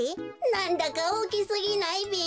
なんだかおおきすぎないべ？